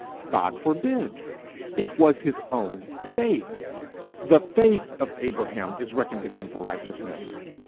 God forbid! It was his own faith. The faith of Abraham is reckoned to him for righteousness.